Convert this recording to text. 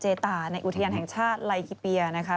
ตาในอุทยานแห่งชาติไลคิเปียนะคะ